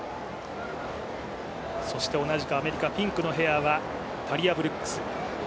そして同じくアメリカ、ピンクのヘアはブルックス。